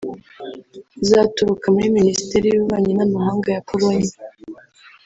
uzaturuka muri Minisiteri y’Ububanyi n’Amahanga ya Pologne